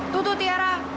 tuh tuh tiara